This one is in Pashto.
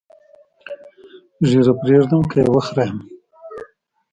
ږیره پرېږدم که یې وخریم؟